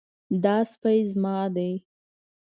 دا سپی زما ده